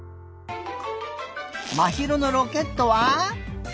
まひろのロケットは？